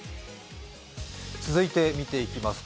続いて見ていきます。